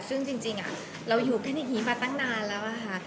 ซึ่งจริงเราอยู่แค่นี้มาตั้งนานแล้วค่ะ